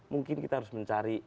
mungkin kita harus mencari